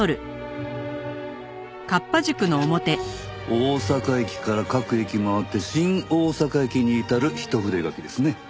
大阪駅から各駅回って新大阪駅に至る一筆書きですね。